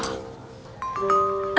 ini yang di sini